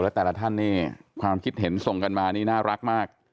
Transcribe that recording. แล้วแต่ละท่านนี่ความคิดเห็นส่งกันมานี่น่ารักมาก